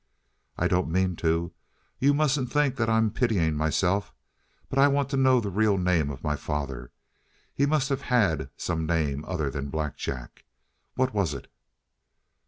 "I don't mean to. You mustn't think that I'm pitying myself. But I want to know the real name of my father. He must have had some name other than Black Jack. What was it?"